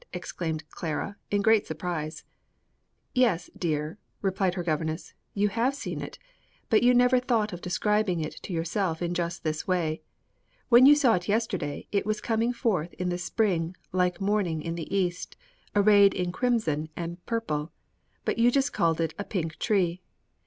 exclaimed Clara, in great surprise. "Yes, dear," replied her governess; "you have seen it, but you never thought of describing it to yourself in just this way. When you saw it yesterday, it was coming forth in the spring, like morning in the east, arrayed in crimson and purple,' but you just called it a pink tree.